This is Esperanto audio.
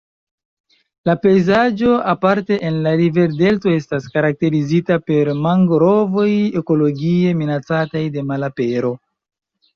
La pejzaĝo aparte en la riverdelto estas karakterizita per mangrovoj ekologie minacataj de malapero.